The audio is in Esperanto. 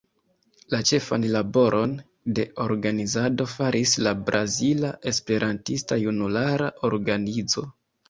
La ĉefan laboron de organizado faris la Brazila Esperantista Junulara Organizo.